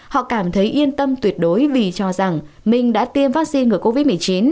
họ cảm thấy yên tâm tuyệt đối vì cho rằng mình đã tiêm vaccine ngừa covid một mươi chín